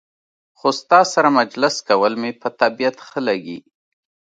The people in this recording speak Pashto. خو ستا سره مجلس کول مې په طبیعت ښه لګي.